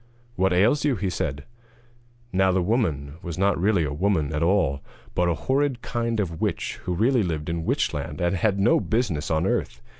'What ails you?' he said. Now the woman was not really a woman at all, but a horrid kind of witch who really lived in Witchland, and had no business on earth.